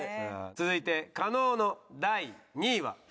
続いて加納の第２位は。